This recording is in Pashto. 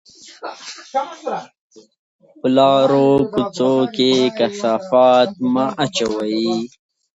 په لارو کوڅو کې کثافات مه اچوئ.